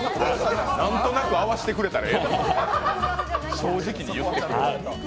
何となく合わせてくれたらいいのに、正直に言ってくれる。